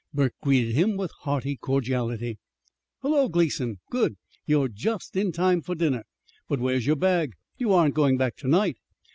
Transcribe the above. Burke greeted him with hearty cordiality. "Hullo, Gleason! Good you're just in time for dinner. But where's your bag? You aren't going back to night!"